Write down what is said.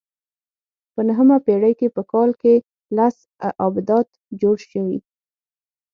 په نهمه پېړۍ کې په کال کې لس ابدات جوړ شوي.